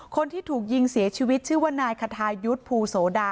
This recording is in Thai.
คนที่ถูกยิงเสียชีวิตชื่อว่านายคทายุทธ์ภูโสดา